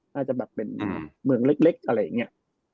จะแบบเป็นเมืองเล็กอะไรอย่างนี้